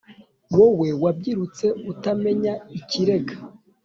wowe wabyirutse utamenya ikirega